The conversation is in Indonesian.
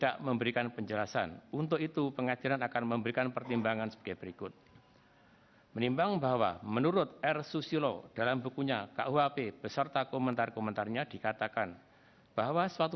kepulauan seribu kepulauan seribu